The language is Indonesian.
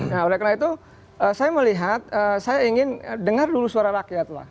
nah oleh karena itu saya melihat saya ingin dengar dulu suara rakyat lah